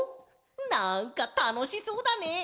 なんかたのしそうだね！